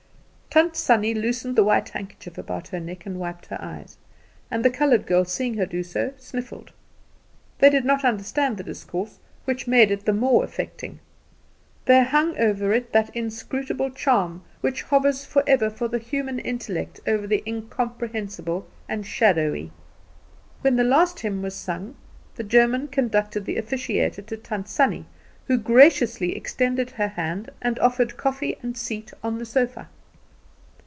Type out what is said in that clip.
Tant Sannie loosened the white handkerchief about her neck and wiped her eyes, and the coloured girl, seeing her do so, sniffled. She did not understand the discourse, which made it the more affecting. There hung over it that inscrutable charm which hovers forever for the human intellect over the incomprehensible and shadowy. When the last hymn was sung the German conducted the officiator to Tant Sannie, who graciously extended her hand, and offered coffee and a seat on the sofa.